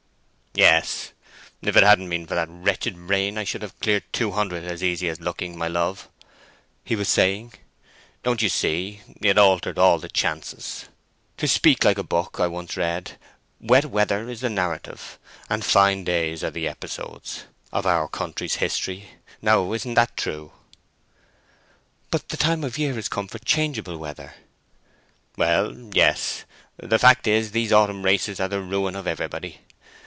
"Yes, if it hadn't been for that wretched rain I should have cleared two hundred as easy as looking, my love," he was saying. "Don't you see, it altered all the chances? To speak like a book I once read, wet weather is the narrative, and fine days are the episodes, of our country's history; now, isn't that true?" "But the time of year is come for changeable weather." "Well, yes. The fact is, these autumn races are the ruin of everybody.